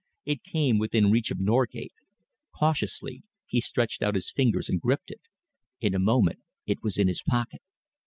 It came within reach of Norgate. Cautiously he stretched out his fingers and gripped it. In a moment it was in his pocket.